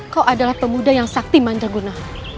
kau adalah pemuda yang sakti manter guna